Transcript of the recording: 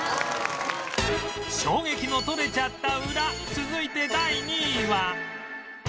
衝撃の撮れちゃったウラ続いて第２位は